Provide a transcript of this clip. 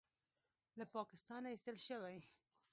له پاکستانه ایستل شوی